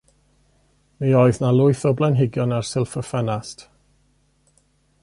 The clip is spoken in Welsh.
Mi oedd 'na lwyth o blanhigion ar y silff ffenast.